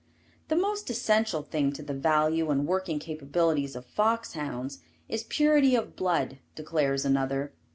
The most essential thing to the value and working capabilities of fox hounds is purity of blood, declares another.